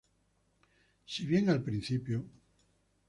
Si bien al principio Mr.